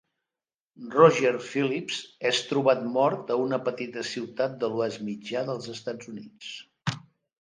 Roger Phillips és trobat mort a una petita ciutat de l'Oest Mitjà dels Estats Units.